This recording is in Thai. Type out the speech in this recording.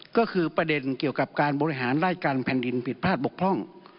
ก็คือประเด็นเกี่ยวกับการบริหารราชการแผ่นดินผิดพลาดบกพร่อง